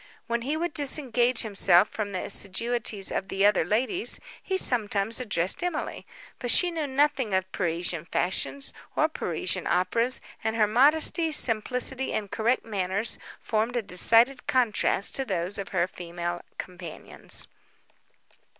When he could disengage himself from the assiduities of the other ladies, he sometimes addressed Emily: but she knew nothing of Parisian fashions, or Parisian operas; and her modesty, simplicity, and correct manners formed a decided contrast to those of her female companions.